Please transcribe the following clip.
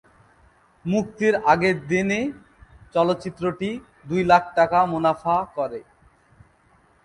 মুক্তির আগের দিনই চলচ্চিত্রটি দুই লাখ টাকা মুনাফা করে।